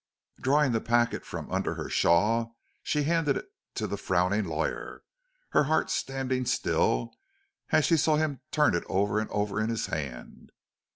Drawing the packet from under her shawl, she handed it to the frowning lawyer, her heart standing still as she saw him turn it over and over in his hand.